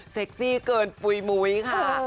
เซ็กซี่เกินปุ๊ยหมุยค่ะ